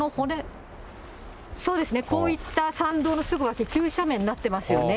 そうですね、こういった山道のすぐ脇、急斜面になってますよね。